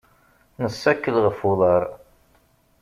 Nessakel ɣef uḍar.